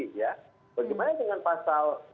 bagaimana dengan pasal